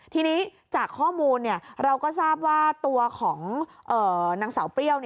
ทีนี้จากข้อมูลเราก็ทราบว่าตัวของนางสาวเปรี้ยว